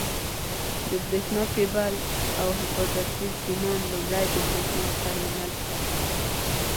د برېښنا کېبل او حفاظتي سیمان لومړی د برېښنا ټرمینل ته ځي.